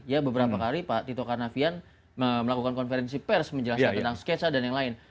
ya beberapa kali pak tito karnavian melakukan konferensi pers menjelaskan tentang sketsa dan yang lain